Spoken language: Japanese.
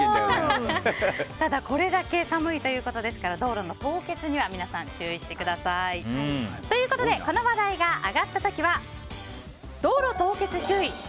ただ、これだけ寒いということですから道路の凍結には皆さん注意してください。ということでこの話題が上がった時は道路凍結注意！